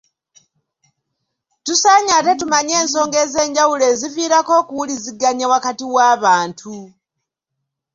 Tusaanye ate tumanye ensonga ez’enjawulo eziviirako okuwuliziganya wakati w’abantu.